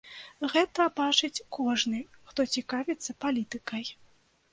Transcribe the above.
Гэта бачыць кожны, хто цікавіцца палітыкай.